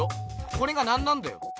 これが何なんだよ？